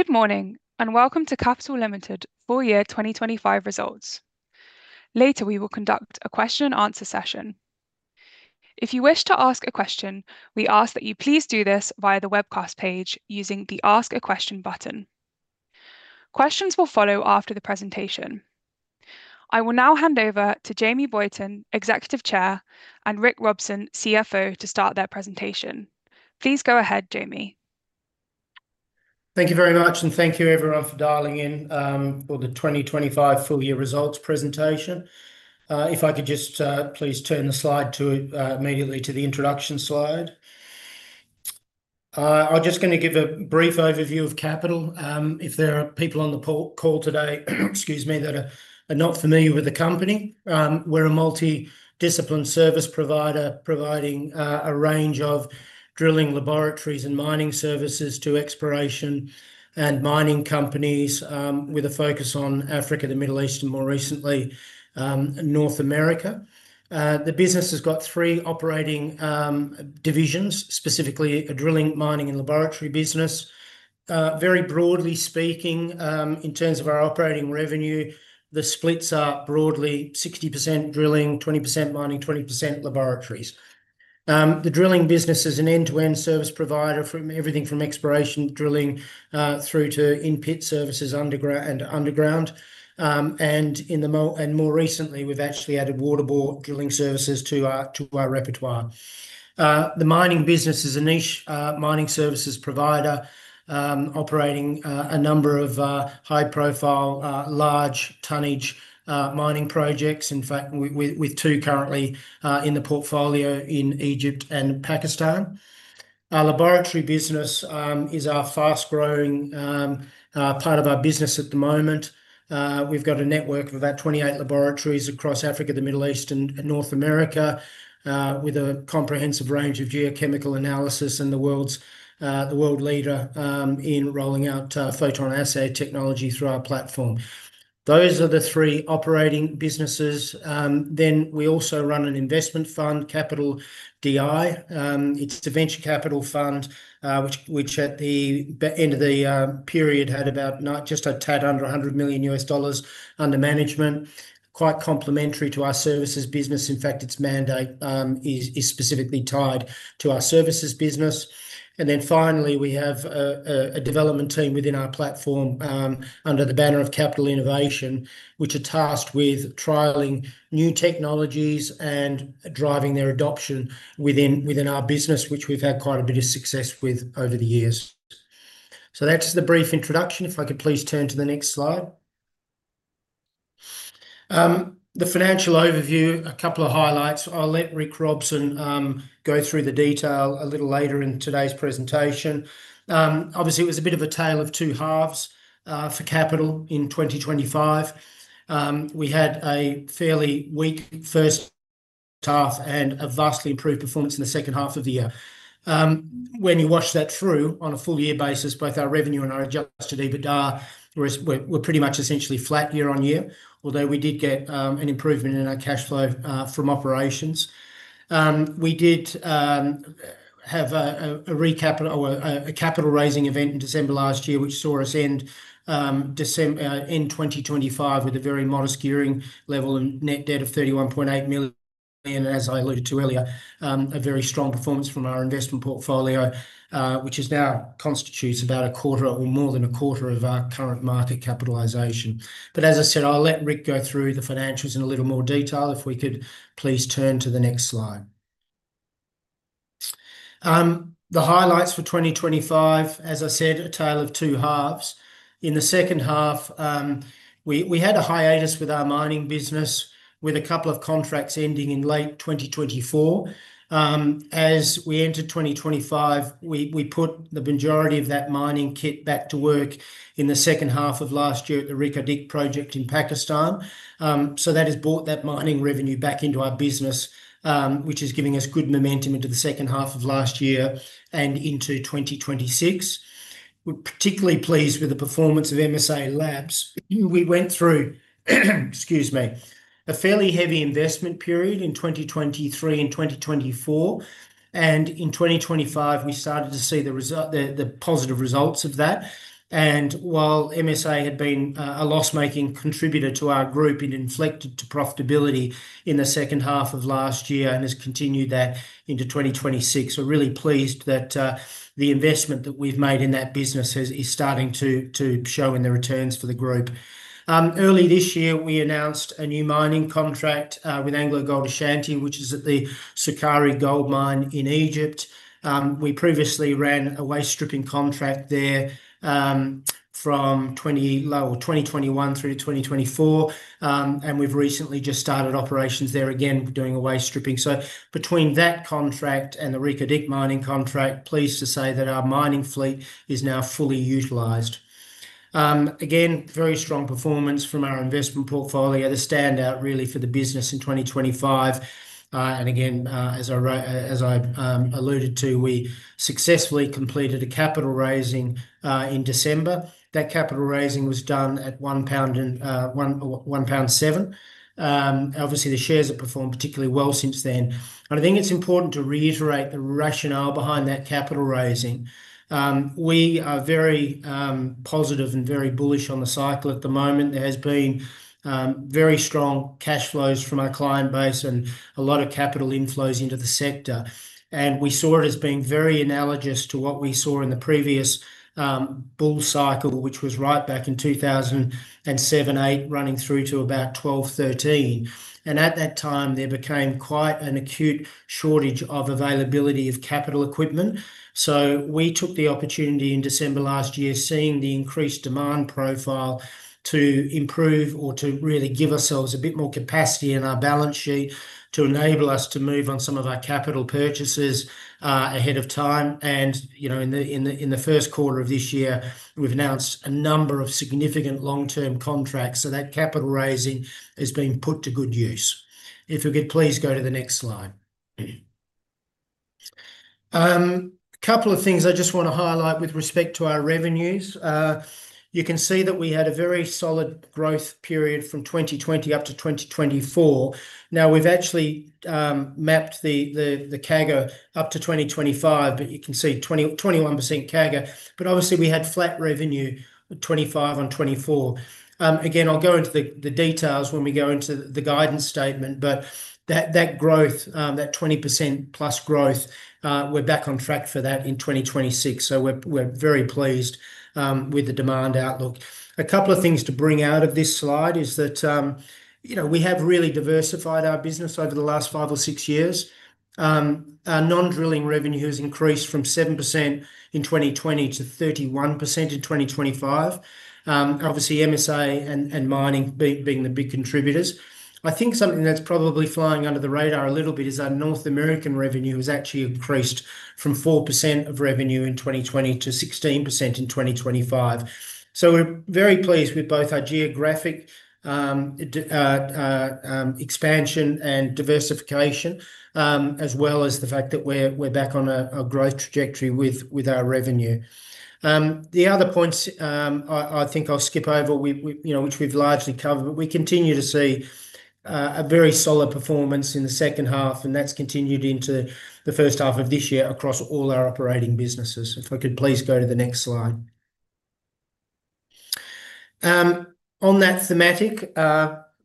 Good morning, and welcome to Capital Limited Full Year 2025 results. Later, we will conduct a question answer session. If you wish to ask a question, we ask that you please do this via the webcast page using the Ask a Question button. Questions will follow after the presentation. I will now hand over to Jamie Boyton, Executive Chair, and Rick Robson, CFO, to start their presentation. Please go ahead, Jamie. Thank you very much, and thank you everyone for dialing in, for the 2025 full year results presentation. If I could just please turn the slide to immediately to the introduction slide. I'm just gonna give a brief overview of Capital. If there are people on the phone call today excuse me, that are not familiar with the company. We're a multi-discipline service provider providing a range of drilling laboratories and mining services to exploration and mining companies, with a focus on Africa, the Middle East, and more recently, North America. The business has got three operating divisions, specifically a drilling, mining and laboratory business. Very broadly speaking, in terms of our operating revenue, the splits are broadly 60% drilling, 20% mining, 20% laboratories. The drilling business is an end-to-end service provider from everything from exploration, drilling, through to in-pit services underground and more recently, we've actually added water bore drilling services to our repertoire. The mining business is a niche mining services provider operating a number of high profile large tonnage mining projects. In fact, with two currently in the portfolio in Egypt and Pakistan. Our laboratory business is our fast-growing part of our business at the moment. We've got a network of about 28 laboratories across Africa, the Middle East, and North America with a comprehensive range of geochemical analysis and the world leader in rolling out PhotonAssay technology through our platform. Those are the three operating businesses. We also run an investment fund, Capital DI. It's the venture capital fund, which at the end of the period had about just under $100 million under management, quite complementary to our services business. In fact, its mandate is specifically tied to our services business. We have a development team within our platform under the banner of Capital Innovation, which are tasked with trialing new technologies and driving their adoption within our business, which we've had quite a bit of success with over the years. That's the brief introduction. If I could please turn to the next slide. The financial overview, a couple of highlights. I'll let Rick Robson go through the detail a little later in today's presentation. Obviously, it was a bit of a tale of two halves for Capital in 2025. We had a fairly weak first half and a vastly improved performance in the second half of the year. When you wash that through on a full year basis, both our revenue and our adjusted EBITDA were pretty much essentially flat year-on-year, although we did get an improvement in our cash flow from operations. We did have a capital raising event in December last year, which saw us end in 2025 with a very modest gearing level and net debt of $31.8 million. As I alluded to earlier, a very strong performance from our investment portfolio, which now constitutes about a quarter or more than a quarter of our current market capitalization. As I said, I'll let Rick go through the financials in a little more detail. If we could please turn to the next slide. The highlights for 2025, as I said, a tale of two halves. In the second half, we had a hiatus with our mining business with a couple of contracts ending in late 2024. As we entered 2025, we put the majority of that mining kit back to work in the second half of last year at the Reko Diq project in Pakistan. That has brought that mining revenue back into our business, which is giving us good momentum into the second half of last year and into 2026. We're particularly pleased with the performance of MSALABS. We went through, excuse me, a fairly heavy investment period in 2023 and 2024, and in 2025, we started to see the positive results of that. While MSALABS had been a loss-making contributor to our group, it inflected to profitability in the second half of last year and has continued that into 2026. We're really pleased that the investment that we've made in that business is starting to show in the returns for the group. Early this year, we announced a new mining contract with AngloGold Ashanti, which is at the Sukari Gold Mine in Egypt. We previously ran a waste stripping contract there, from 2021 through to 2024. We've recently just started operations there again, doing a waste stripping. Between that contract and the Reko Diq contract, pleased to say that our mining fleet is now fully utilized. Again, very strong performance from our investment portfolio. The standout really for the business in 2025. Again, as I alluded to, we successfully completed a capital raising in December. That capital raising was done at 1 pound and 1.07 pound. Obviously the shares have performed particularly well since then. I think it's important to reiterate the rationale behind that capital raising. We are very positive and very bullish on the cycle at the moment. There has been very strong cash flows from our client base and a lot of capital inflows into the sector. We saw it as being very analogous to what we saw in the previous bull cycle, which was right back in 2007-2008, running through to about 2012-2013. At that time, there became quite an acute shortage of availability of capital equipment. We took the opportunity in December last year, seeing the increased demand profile, to improve or to really give ourselves a bit more capacity in our balance sheet to enable us to move on some of our capital purchases ahead of time. You know, in the Q1 of this year, we've announced a number of significant long-term contracts. That capital raising has been put to good use. If you could please go to the next slide. Couple of things I just want to highlight with respect to our revenues. You can see that we had a very solid growth period from 2020 up to 2024. Now we've actually mapped the CAGR up to 2025, but you can see 21% CAGR. Obviously we had flat revenue, 2025 and 2024. Again, I'll go into the details when we go into the guidance statement, but that growth, that 20%+ growth, we're back on track for that in 2026. We're very pleased with the demand outlook. A couple of things to bring out of this slide is that, you know, we have really diversified our business over the last five or six years. Our non-drilling revenue has increased from 7% in 2020 to 31% in 2025. Obviously MSALABS and mining being the big contributors. I think something that's probably flying under the radar a little bit is our North American revenue has actually increased from 4% of revenue in 2020 to 16% in 2025. We're very pleased with both our geographic expansion and diversification, as well as the fact that we're back on a growth trajectory with our revenue. The other points, I think I'll skip over, you know, which we've largely covered, but we continue to see a very solid performance in the second half, and that's continued into the first half of this year across all our operating businesses. If I could please go to the next slide. On that thematic,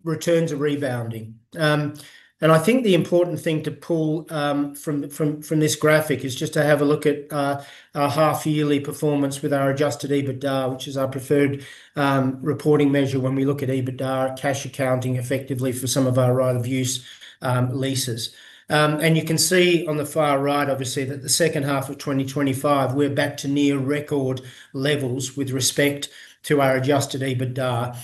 returns are rebounding. I think the important thing to pull from this graphic is just to have a look at our half-yearly performance with our adjusted EBITDA, which is our preferred reporting measure when we look at EBITDA cash accounting effectively for some of our right of use leases. You can see on the far right, obviously, that the second half of 2025, we're back to near record levels with respect to our adjusted EBITDA,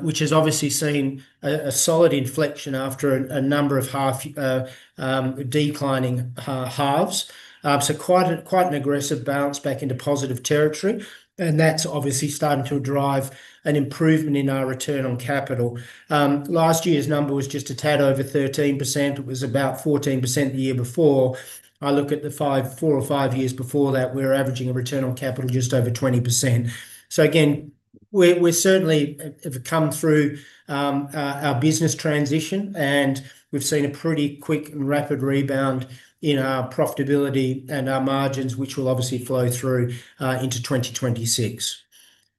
which has obviously seen a solid inflection after a number of declining halves. Quite an aggressive bounce back into positive territory, and that's obviously starting to drive an improvement in our return on capital. Last year's number was just a tad over 13%. It was about 14% the year before. I look at the four or five years before that, we were averaging a return on capital just over 20%. Again, we certainly have come through our business transition, and we've seen a pretty quick and rapid rebound in our profitability and our margins, which will obviously flow through into 2026.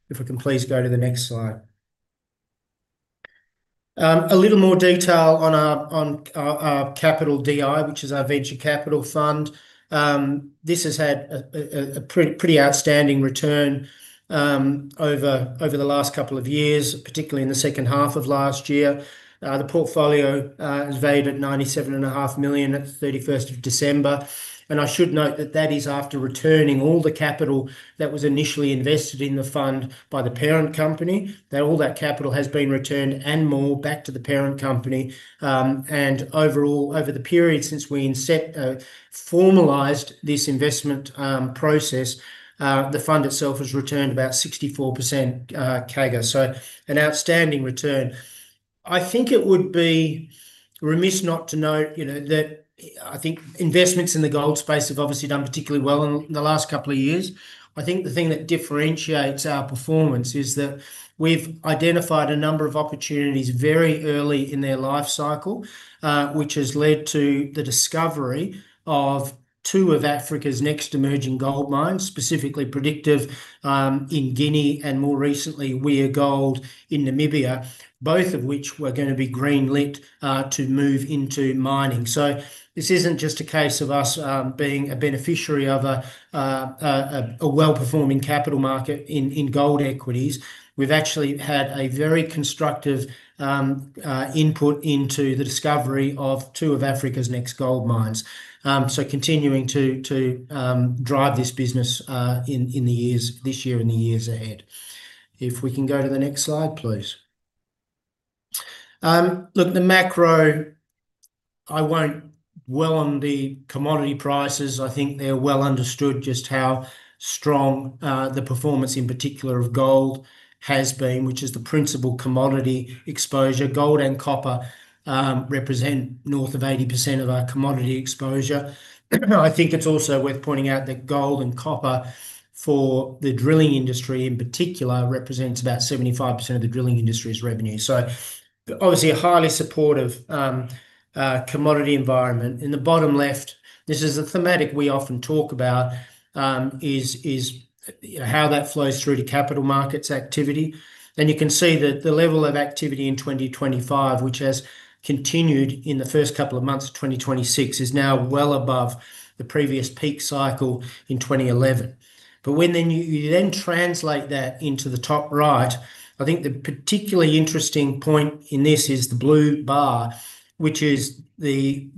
If we can please go to the next slide. A little more detail on our Capital DI, which is our venture capital fund. This has had a pretty outstanding return over the last couple of years, particularly in the second half of last year. The portfolio is valued at $97.5 million at December 31. I should note that is after returning all the capital that was initially invested in the fund by the parent company. That all that capital has been returned and more back to the parent company. Overall, over the period since we incepted formalized this investment process, the fund itself has returned about 64% CAGR. An outstanding return. I think it would be remiss not to note, you know, that I think investments in the gold space have obviously done particularly well in the last couple of years. I think the thing that differentiates our performance is that we've identified a number of opportunities very early in their life cycle, which has led to the discovery of two of Africa's next emerging gold mines, specifically Predictive in Guinea, and more recently, WIA Gold in Namibia, both of which were going to be green lit to move into mining. This isn't just a case of us being a beneficiary of a well-performing capital market in gold equities. We've actually had a very constructive input into the discovery of two of Africa's next gold mines. Continuing to drive this business in the years, this year and the years ahead. If we can go to the next slide, please. Look, on the commodity prices, I think they're well understood just how strong the performance in particular of gold has been, which is the principal commodity exposure. Gold and copper represent north of 80% of our commodity exposure. I think it's also worth pointing out that gold and copper for the drilling industry in particular, represents about 75% of the drilling industry's revenue. So obviously a highly supportive commodity environment. In the bottom left, this is a thematic we often talk about, you know, how that flows through to capital markets activity. You can see that the level of activity in 2025, which has continued in the first couple of months of 2026, is now well above the previous peak cycle in 2011. You then translate that into the top right. I think the particularly interesting point in this is the orange bar, which is the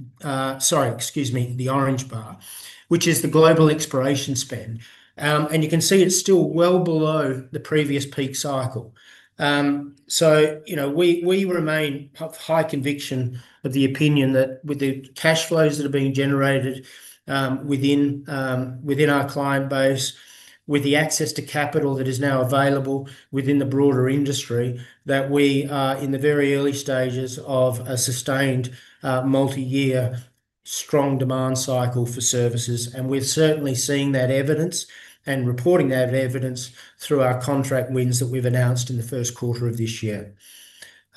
global exploration spend. You can see it's still well below the previous peak cycle. You know, we remain of high conviction of the opinion that with the cash flows that are being generated within our client base, with the access to capital that is now available within the broader industry, we are in the very early stages of a sustained multi-year strong demand cycle for services. We're certainly seeing that evidence and reporting that evidence through our contract wins that we've announced in the Q1 of this year.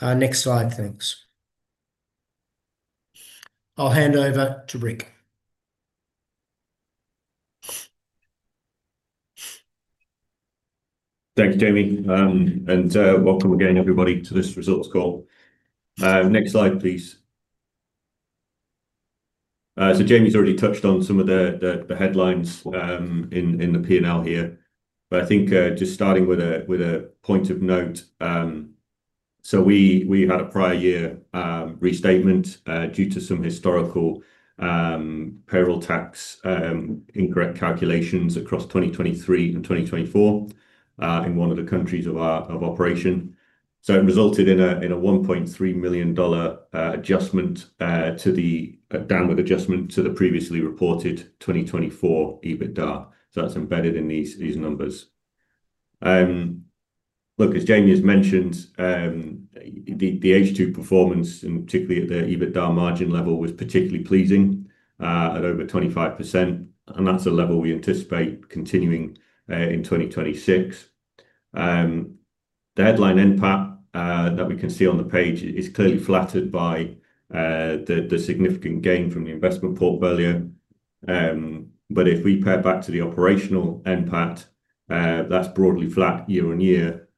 Next slide. Thanks. I'll hand over to Rick. Thank you, Jamie. Welcome again everybody to this results call. Next slide please. Jamie's already touched on some of the headlines in the P&L here, but I think just starting with a point of note. We had a prior year restatement due to some historical payroll tax incorrect calculations across 2023 and 2024 in one of the countries of our operation. It resulted in a $1.3 million adjustment, a downward adjustment to the previously reported 2024 EBITDA. That's embedded in these numbers. Look, as Jamie has mentioned, the H2 performance and particularly at the EBITDA margin level was particularly pleasing at over 25%. That's a level we anticipate continuing in 2026. The headline NPAT that we can see on the page is clearly flattered by the significant gain from the investment portfolio. If we pare back to the operational NPAT, that's broadly flat year-on-year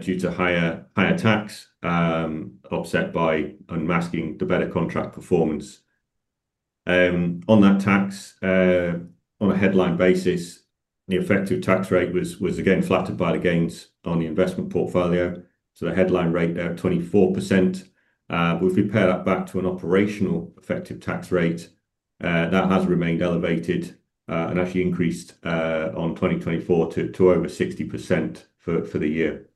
due to higher tax offset by unmasking the better contract performance. On that tax, on a headline basis, the effective tax rate was again flattered by the gains on the investment portfolio. The headline rate there of 24%. If we pare that back to an operational effective tax rate, that has remained elevated and actually increased in 2024 to over 60% for the year.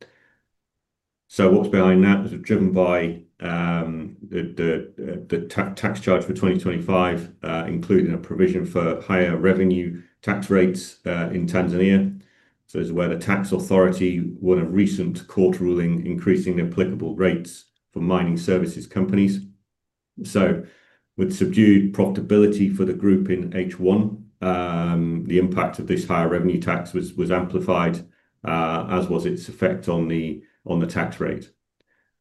What's behind that is driven by the tax charge for 2025, including a provision for higher revenue tax rates in Tanzania. This is where the tax authority won a recent court ruling increasing the applicable rates for mining services companies. With subdued profitability for the group in H1, the impact of this higher revenue tax was amplified, as was its effect on the tax rate.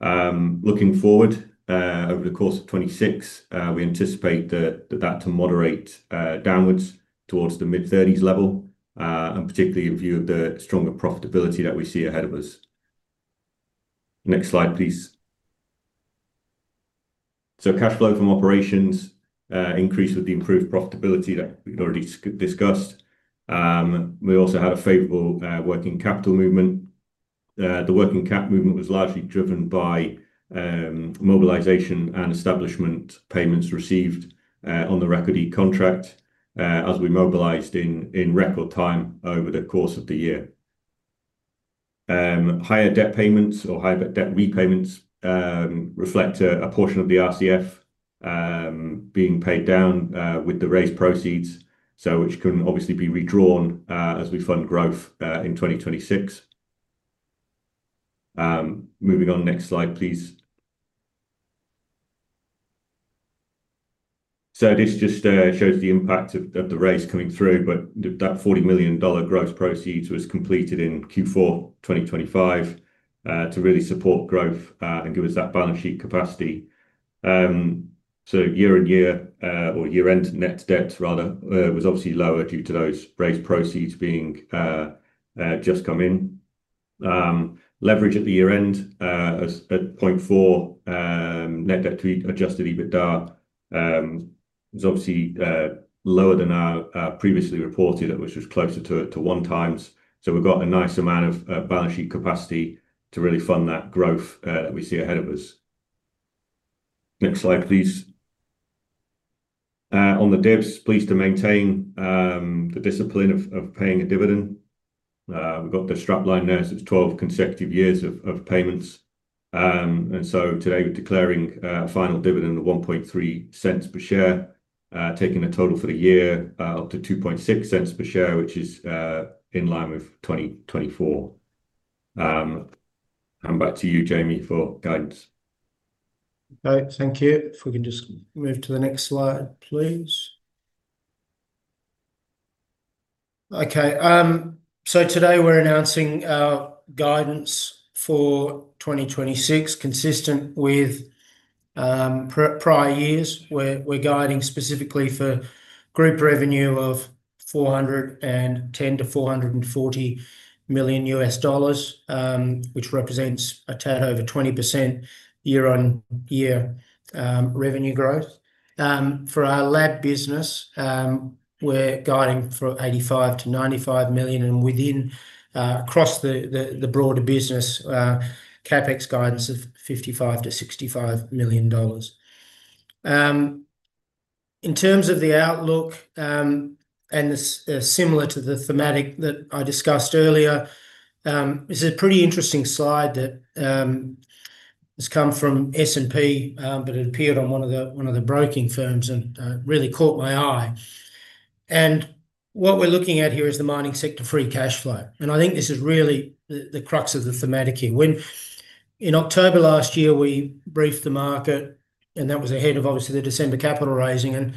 Looking forward, over the course of 2026, we anticipate that to moderate downwards towards the mid-thirties level, and particularly in view of the stronger profitability that we see ahead of us. Next slide, please. Cash flow from operations increased with the improved profitability that we've already discussed. We also had a favorable working capital movement. The working cap movement was largely driven by mobilization and establishment payments received on the Reko Diq contract as we mobilized in record time over the course of the year. Higher debt payments or high debt repayments reflect a portion of the RCF being paid down with the raise proceeds, which can obviously be redrawn as we fund growth in 2026. Moving on. Next slide, please. This just shows the impact of the raise coming through, but that $40 million gross proceeds was completed in Q4 2025 to really support growth and give us that balance sheet capacity. Year-over-year, or year-end net debt rather, was obviously lower due to those raised proceeds being just come in. Leverage at the year end, as at 0.4 net debt to adjusted EBITDA, is obviously lower than our previously reported at which was closer to 1x. We've got a nice amount of balance sheet capacity to really fund that growth that we see ahead of us. Next slide please. On the divs, pleased to maintain the discipline of paying a dividend. We've got the strapline there, so it's 12 consecutive years of payments. Today we're declaring a final dividend of $0.013 per share, taking the total for the year up to $0.026 per share, which is in line with 2024. Back to you, Jamie, for guidance. Okay, thank you. If we can just move to the next slide, please. Okay. So today we're announcing our guidance for 2026 consistent with prior years. We're guiding specifically for group revenue of $410 million-$440 million, which represents a tad over 20% year-on-year revenue growth. For our lab business, we're guiding for $85 million-$95 million, and within across the broader business, CapEx guidance of $55 million-$65 million. In terms of the outlook, similar to the thematic that I discussed earlier, this is a pretty interesting slide that has come from S&P, but it appeared on one of the brokerage firms and really caught my eye. What we're looking at here is the mining sector free cash flow. I think this is really the crux of the thematic here. In October last year, we briefed the market, and that was ahead of obviously the December capital raising.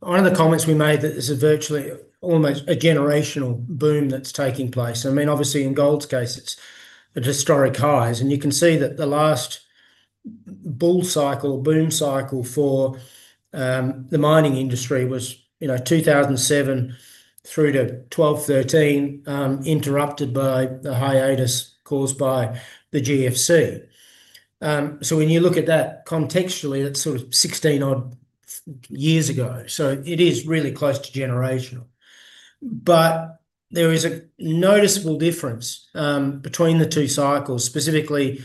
One of the comments we made that there's a virtually almost a generational boom that's taking place. I mean, obviously, in gold's case, it's at historic highs. You can see that the last bull cycle, boom cycle for the mining industry was, you know, 2007 through to 12, 13, interrupted by the hiatus caused by the GFC. When you look at that contextually, that's sort of 16 odd years ago. It is really close to generational. There is a noticeable difference between the two cycles, specifically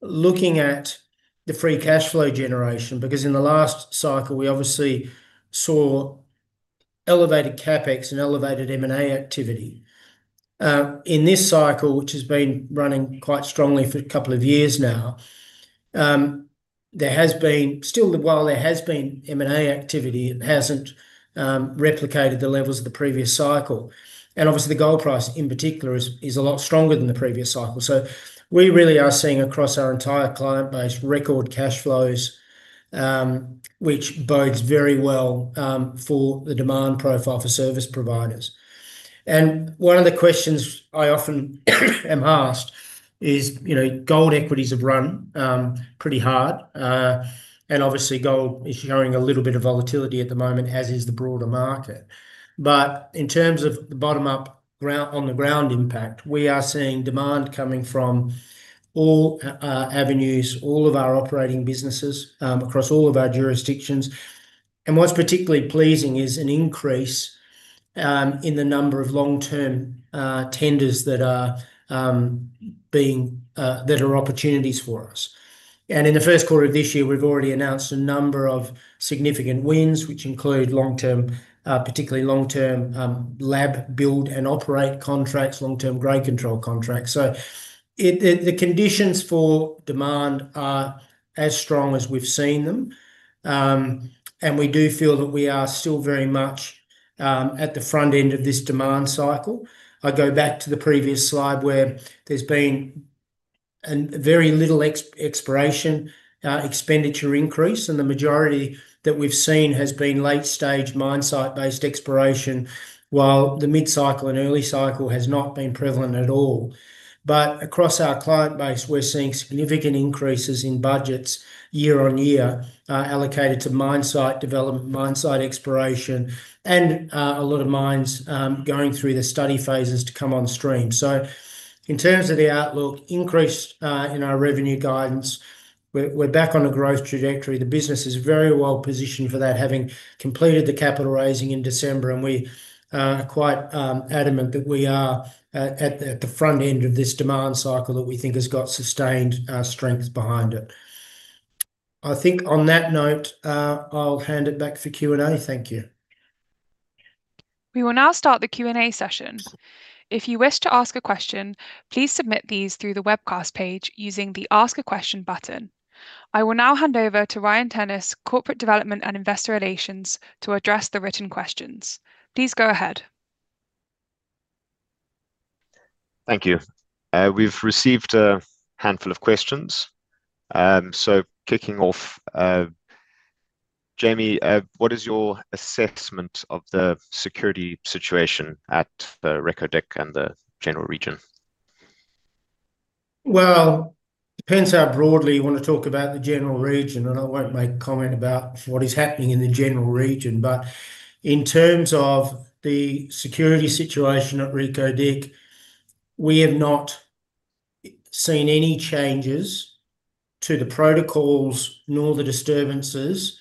looking at the free cash flow generation, because in the last cycle, we obviously saw elevated CapEx and elevated M&A activity. In this cycle, which has been running quite strongly for a couple of years now, there has been still, while there has been M&A activity, it hasn't replicated the levels of the previous cycle. Obviously, the gold price, in particular, is a lot stronger than the previous cycle. We really are seeing across our entire client base record cash flows, which bodes very well for the demand profile for service providers. One of the questions I often am asked is, you know, gold equities have run pretty hard, and obviously, gold is showing a little bit of volatility at the moment, as is the broader market. In terms of the on the ground impact, we are seeing demand coming from all avenues, all of our operating businesses, across all of our jurisdictions. What's particularly pleasing is an increase in the number of long-term tenders that are opportunities for us. In the Q1 of this year, we've already announced a number of significant wins, which include particularly long-term lab build and operate contracts, long-term grade control contracts. The conditions for demand are as strong as we've seen them. We do feel that we are still very much at the front end of this demand cycle. I go back to the previous slide where there's been very little exploration expenditure increase, and the majority that we've seen has been late-stage mine site-based exploration, while the mid-cycle and early cycle has not been prevalent at all. Across our client base, we're seeing significant increases in budgets year-on-year allocated to mine site development, mine site exploration, and a lot of mines going through the study phases to come on stream. In terms of the outlook increased in our revenue guidance, we're back on a growth trajectory. The business is very well positioned for that, having completed the capital raising in December, and we are quite adamant that we are at the front end of this demand cycle that we think has got sustained strength behind it. I think on that note, I'll hand it back for Q&A. Thank you. We will now start the Q&A session. If you wish to ask a question, please submit these through the webcast page using the Ask a Question button. I will now hand over to Ryan Dennis, Corporate Development and Investor Relations, to address the written questions. Please go ahead. Thank you. We've received a handful of questions. Kicking off, Jamie, what is your assessment of the security situation at the Reko Diq and the general region? Well, depends how broadly you want to talk about the general region, and I won't make comment about what is happening in the general region. In terms of the security situation at Reko Diq, we have not seen any changes to the protocols nor the disturbances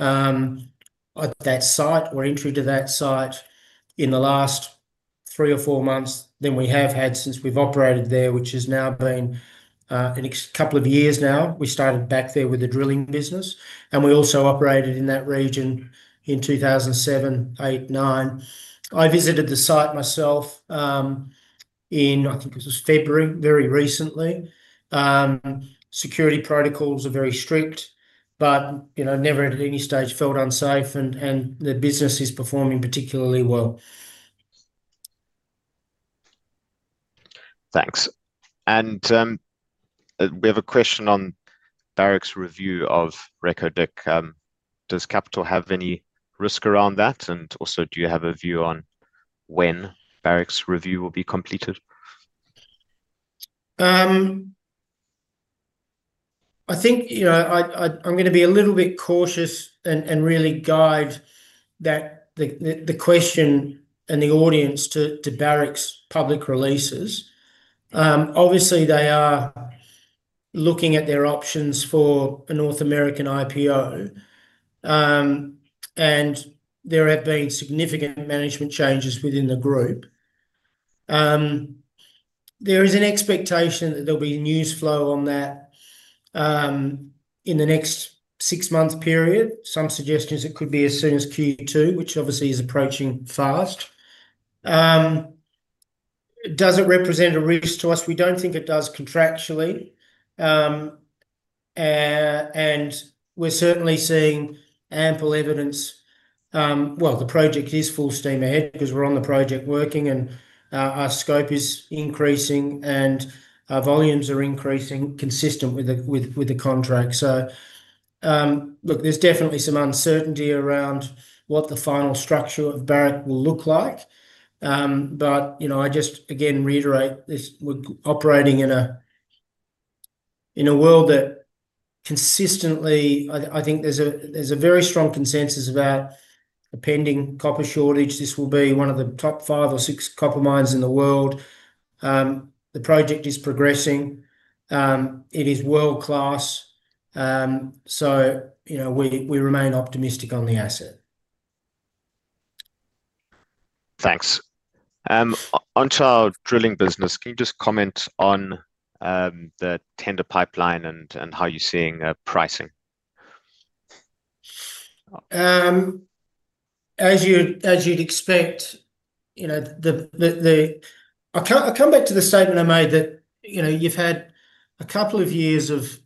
at that site or entry to that site in the last three or four months than we have had since we've operated there, which has now been a couple of years now. We started back there with the drilling business, and we also operated in that region in 2007, 2008, 2009. I visited the site myself in, I think it was February, very recently. Security protocols are very strict, but you know, never at any stage felt unsafe and the business is performing particularly well. Thanks. We have a question on Barrick's review of Reko Diq. Does Capital have any risk around that? Also, do you have a view on when Barrick's review will be completed? I think, you know, I'm gonna be a little bit cautious and really guide the question and the audience to Barrick's public releases. Obviously they are looking at their options for a North American IPO. There have been significant management changes within the group. There is an expectation that there'll be news flow on that in the next six months period. Some suggestions it could be as soon as Q2, which obviously is approaching fast. Does it represent a risk to us? We don't think it does contractually. We're certainly seeing ample evidence. Well, the project is full steam ahead because we're on the project working and our scope is increasing and our volumes are increasing consistent with the contract. There's definitely some uncertainty around what the final structure of Barrick will look like. You know, I just again reiterate this, we're operating in a world that consistently, I think there's a very strong consensus about a pending copper shortage. This will be one of the top five or six copper mines in the world. The project is progressing. It is world-class. You know, we remain optimistic on the asset. Thanks. Onto our drilling business. Can you just comment on the tender pipeline and how you're seeing pricing? As you'd expect, you know, I come back to the statement I made that, you know, you've had a couple of years of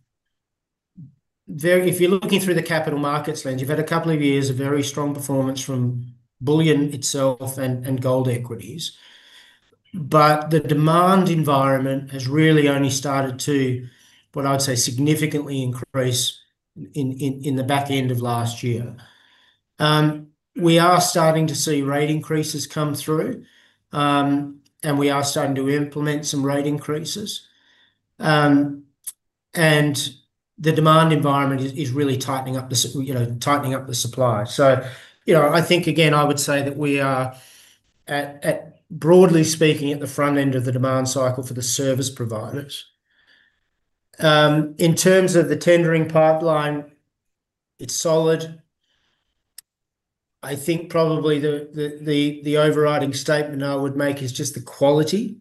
very strong performance from bullion itself and gold equities. The demand environment has really only started to, what I would say, significantly increase in the back end of last year. We are starting to see rate increases come through, and we are starting to implement some rate increases. The demand environment is really tightening up the supply. You know, I think again, I would say that we are, broadly speaking, at the front end of the demand cycle for the service providers. In terms of the tendering pipeline, it's solid. I think probably the overriding statement I would make is just the quality.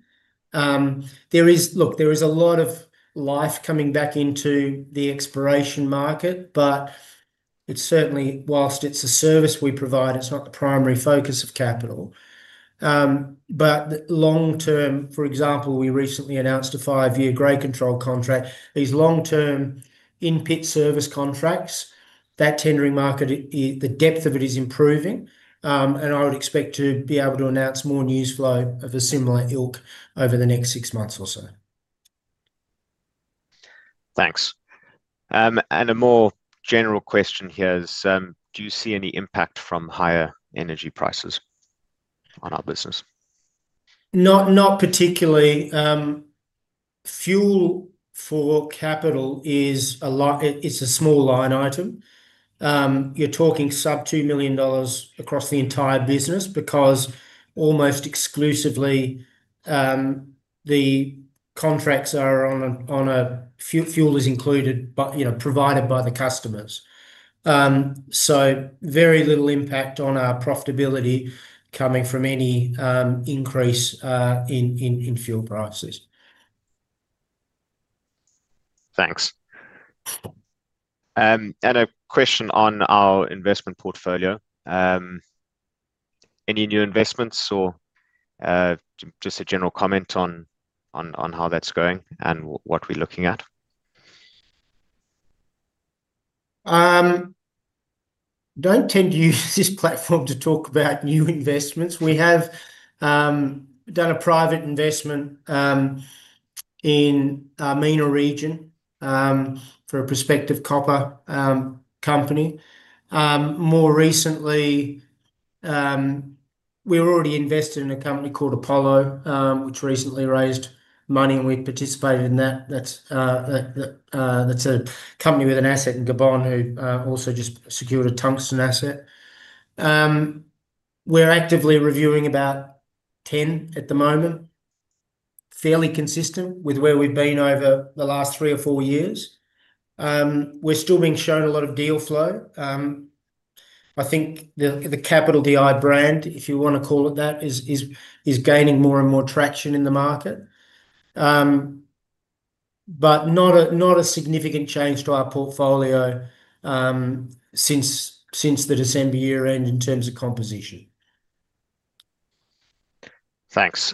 There is a lot of life coming back into the exploration market, but it certainly, while it's a service we provide, it's not the primary focus of Capital. Long-term, for example, we recently announced a five-year grade control contract. These long-term in-pit service contracts, that tendering market, the depth of it is improving. I would expect to be able to announce more news flow of a similar ilk over the next six months or so. Thanks. A more general question here is, do you see any impact from higher energy prices on our business? Not particularly. Fuel for Capital it's a small line item. You're talking sub $2 million across the entire business because almost exclusively, the contracts are. Fuel is included but, you know, provided by the customers. Very little impact on our profitability coming from any increase in fuel prices. Thanks. A question on our investment portfolio. Any new investments or just a general comment on how that's going and what we're looking at? Don't tend to use this platform to talk about new investments. We have done a private investment in Armenia region for a prospective copper company. More recently, we're already invested in a company called Apollo which recently raised money, and we've participated in that. That's a company with an asset in Gabon which also just secured a tungsten asset. We're actively reviewing about 10 at the moment. Fairly consistent with where we've been over the last three or four years. We're still being shown a lot of deal flow. I think the Capital DI brand, if you wanna call it that, is gaining more and more traction in the market. Not a significant change to our portfolio, since the December year-end in terms of composition. Thanks.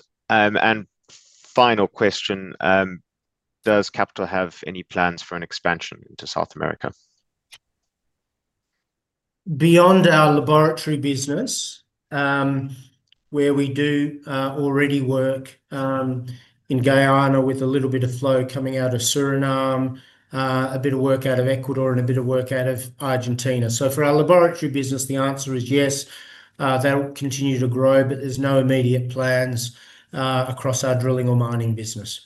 Final question, does Capital have any plans for an expansion into South America? Beyond our laboratory business, where we do already work in Guyana with a little bit of flow coming out of Suriname, a bit of work out of Ecuador and a bit of work out of Argentina. For our laboratory business, the answer is yes, that will continue to grow, but there's no immediate plans across our drilling or mining business.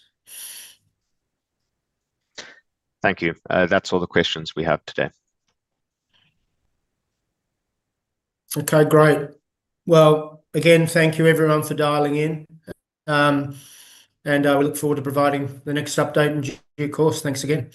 Thank you. That's all the questions we have today. Okay, great. Well, again, thank you everyone for dialing in. We look forward to providing the next update in due course. Thanks again.